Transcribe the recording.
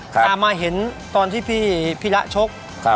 แต่มาเห็นตอนที่พี่ระชก